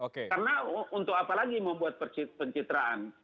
karena untuk apa lagi membuat pencitraan